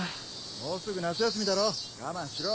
もうすぐ夏休みだろ我慢しろ。